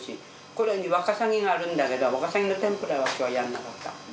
これワカサギがあるんだけどワカサギの天ぷらは今日はやらなかった。